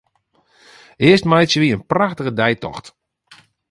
Earst meitsje wy in prachtige deitocht.